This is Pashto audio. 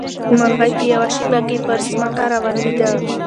مرغۍ په یوه شېبه کې پر ځمکه راولوېده.